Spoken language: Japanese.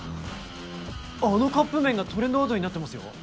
あのカップ麺がトレンドワードになってますよ。